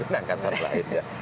mungkin angkatan lain ya